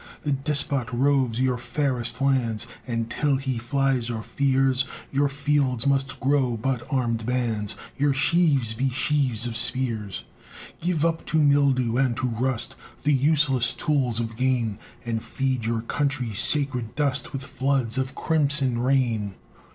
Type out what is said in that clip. The despot roves your fairest lands; And till he flies or fears, Your fields must grow but armèd bands, Your sheaves be sheaves of spears! Give up to mildew and to rust The useless tools of gain, And feed your country's sacred dust With floods of crimson rain!